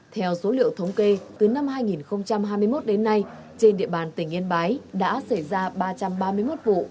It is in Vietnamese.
theo số liệu thống kê từ năm hai nghìn hai mươi một đến nay trên địa bàn tỉnh yên bái đã xảy ra ba trăm ba mươi một vụ